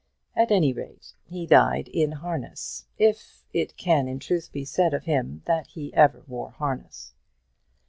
At any rate, he died in harness if it can in truth be said of him that he ever wore harness.